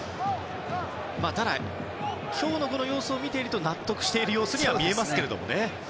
ただ今日の様子を見ていると納得している様子には見えますけどね。